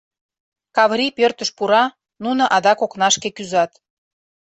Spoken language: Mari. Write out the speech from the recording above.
Каврий пӧртыш пура, нуно адак окнашке кӱзат.